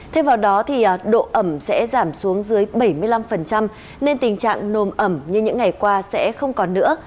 thêm vào đó thì độ ẩm sẽ giảm xuống dưới bảy mươi năm nên tình trạng nồm ẩm như những ngày qua sẽ không còn nữa